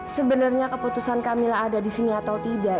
sebenarnya keputusan kamila ada di sini atau tidak